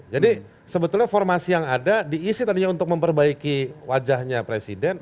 jadi sebetulnya formasi yang ada diisi tadinya untuk memperbaiki wajahnya presiden